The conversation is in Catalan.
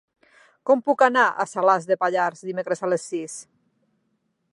Com puc anar a Salàs de Pallars dimecres a les sis?